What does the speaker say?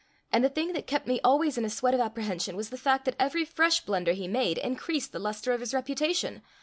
And the thing that kept me always in a sweat of apprehension was the fact that every fresh blunder he made increased the luster of his reputation!